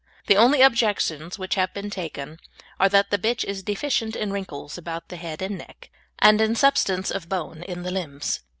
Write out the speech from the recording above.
The only objections which have been taken are that the bitch is deficient in wrinkles about the head and neck, and in substance of bone in the limbs.